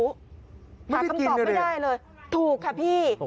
หาคำตอบไม่ได้เลยถูกค่ะพี่